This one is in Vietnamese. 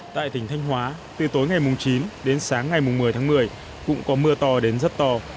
tại tỉnh thanh hóa từ tối ngày chín đến sáng ngày một mươi tháng một mươi cũng có mưa to đến rất to